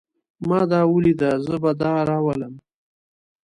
ما دا وليده. زه به دا راولم.